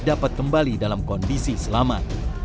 dapat kembali dalam kondisi selamat